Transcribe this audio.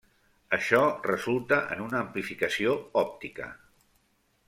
Això resulta en una amplificació òptica.